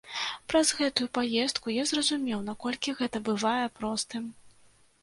Праз гэтую паездку я зразумеў, наколькі гэта бывае простым.